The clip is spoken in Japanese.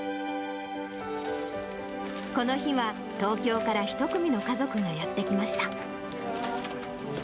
この日は東京から１組の家族がやって来ました。